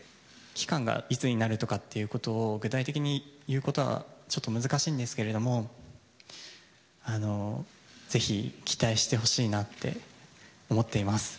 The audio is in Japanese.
期間がいつになるとかっていうことを具体的に言うことはちょっと難しいんですけれども、ぜひ期待してほしいなって思っています。